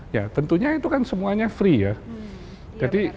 ya tentunya itu kan semuanya free ya